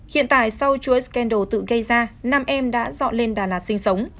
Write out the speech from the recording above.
hiện tại sau chuỗi scandal tự gây ra nam em đã dọn lên đà lạt sinh sống